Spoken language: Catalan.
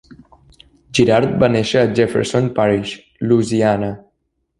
Girard va néixer a Jefferson Parish, Louisiana.